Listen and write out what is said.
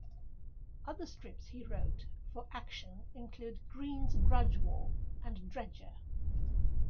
Other strips he wrote for "Action" include "Green's Grudge War" and "Dredger".